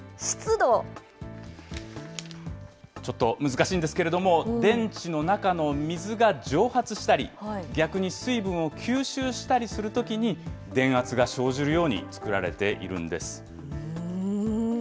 ちょっと難しいんですけれども、電池の中の水が蒸発したり、逆に水分を吸収したりするときに、電圧が生じるように作られているんです。